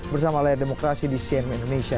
bersama layar demokrasi di cnn indonesia